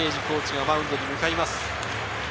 コーチがマウンドに向かいます。